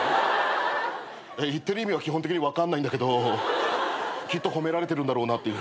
言ってる意味は基本的に分かんないんだけどきっと褒められてるんだろうなっていう。